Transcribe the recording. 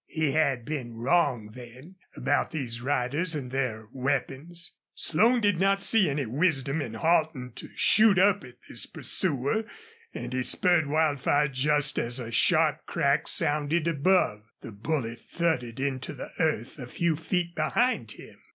He had been wrong, then, about these riders and their weapons. Slone did not see any wisdom in halting to shoot up at this pursuer, and he spurred Wildfire just as a sharp crack sounded above. The bullet thudded into the earth a few feet behind him.